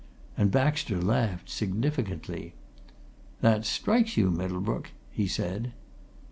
And Baxter laughed, significantly. "That strikes you, Middlebrook?" he said.